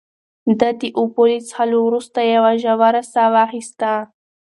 ده د اوبو له څښلو وروسته یوه ژوره ساه واخیسته.